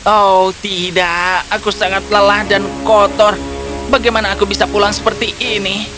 oh tidak aku sangat lelah dan kotor bagaimana aku bisa pulang seperti ini